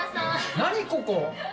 何ここ。